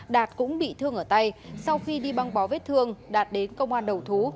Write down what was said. đạt cũng bị thương ở tay sau khi đi băng bó vết thương đạt đến công an đầu thú